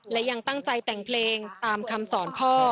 และยังตั้งใจแต่งเพลงตามคำสอนพ่อ